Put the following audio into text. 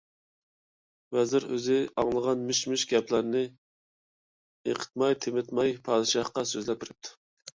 ۋەزىر ئۆزى ئاڭلىغان مىش-مىش گەپلەرنى ئېقىتماي-تېمىتماي پادىشاھقا سۆزلەپ بېرىپتۇ.